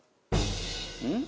うん？